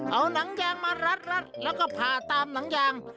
เอาหนังยางมารัดแล้วก็ผ่าตามหนังยาง